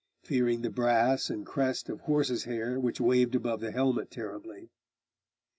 Fearing the brass and crest of horse's hair Which waved above the helmet terribly.